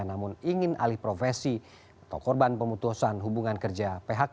namun ingin alih profesi atau korban pemutusan hubungan kerja phk